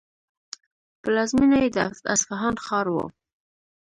پلازمینه یې د اصفهان ښار و.